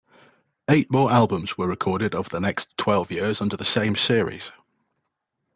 Eight more albums were recorded over the next twelve years under the same series.